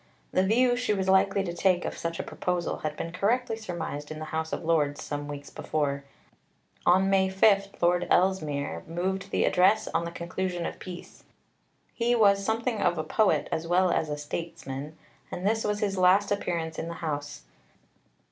The view she was likely to take of such a proposal had been correctly surmised in the House of Lords some weeks before. On May 5 Lord Ellesmere moved the Address on the conclusion of peace. He was something of a poet, as well as a statesman, and this was his last appearance in the House.